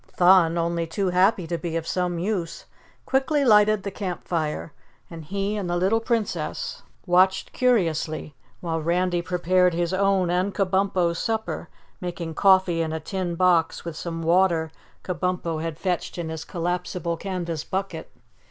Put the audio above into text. Thun, only too happy to be of some use, quickly lighted the camp fire and he and the little Princess watched curiously while Randy prepared his own and Kabumpo's supper, making coffee in a tin box with some water Kabumpo had fetched in his collapsible canvas bucket.